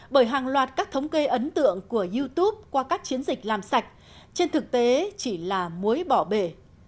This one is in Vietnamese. bởi hàng loạt các thống kê ấn tượng của youtube qua các chiến dịch làm sạch trên thực tế chỉ là muối bỏ bể